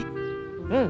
うん！